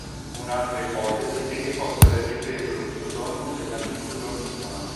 Un'altra ipotesi è che possa aver ripreso lo pseudonimo dell'amico Giorgio Fano.